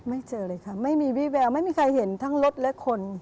เจอเลยค่ะไม่มีวี่แววไม่มีใครเห็นทั้งรถและคน